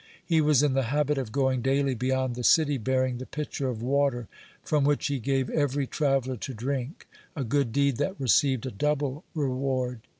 He was in the habit of going daily beyond the city bearing the pitcher of water, from which he gave every traveller to drink, a good deed that received a double reward.